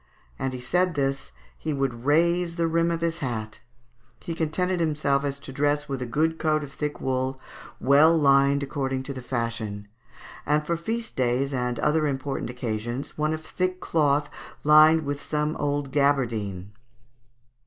As he said this, he would raise the rim of his hat. He contented himself as to dress with a good coat of thick wool, well lined according to the fashion; and for feast days and other important occasions, one of thick cloth, lined with some old gabardine.